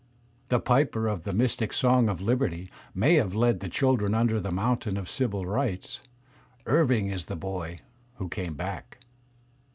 The piper of the mystic song of Liberty may have led the children under the mountain of Civil Rights; Irving is the boy who came back.